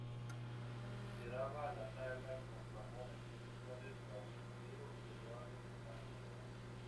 Integraba la zaga con Ramón Aguirre Suárez, Raúl Madero y Eduardo Luján Manera.